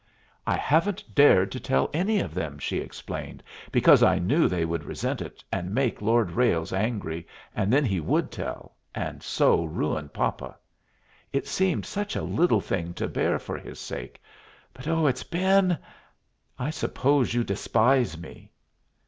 "I haven't dared to tell any of them," she explained, "because I knew they would resent it and make Lord Ralles angry, and then he would tell, and so ruin papa. It seemed such a little thing to bear for his sake, but, oh, it's been I suppose you despise me!"